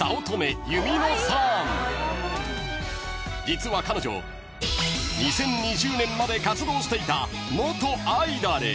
［実は彼女２０２０年まで活動していた］